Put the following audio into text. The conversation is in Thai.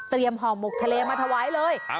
เตรียมห่อหมกทะเลมาถวายเลย